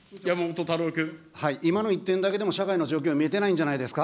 今の１点だけでも、社会の状況は見えてないんじゃないですか。